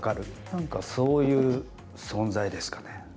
なんか、そういう存在ですかね。